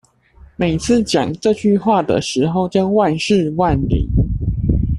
每次講這句話的時候就萬試萬靈